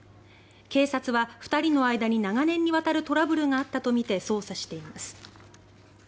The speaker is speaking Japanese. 警察は２人の間に長年にわたるトラブルがあったとみて捜査しています。